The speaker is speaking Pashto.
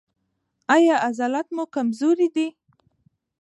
ایا عضلات مو کمزوري دي؟